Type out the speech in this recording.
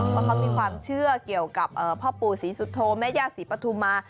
เพราะเขามีความเชื่อเกี่ยวกับพ่อปู่ศรีสุโธแม่ย่าศรีปฐุมา